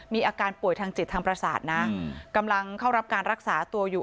มีอาการป่วยทางจิตทางประสาทนะกำลังเข้ารับการรักษาตัวอยู่